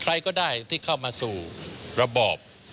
ใครก็ได้ที่เข้ามาสู่ระบอบ